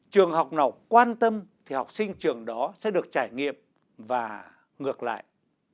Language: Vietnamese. trường học nào quan tâm thì học sinh trường đó sẽ được trải nghiệm và ngược lại